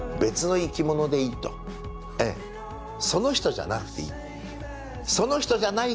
その人じゃなくていい。